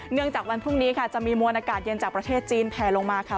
จากวันพรุ่งนี้ค่ะจะมีมวลอากาศเย็นจากประเทศจีนแผลลงมาค่ะ